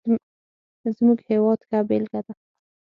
زموږ هېواد ښه بېلګه ده.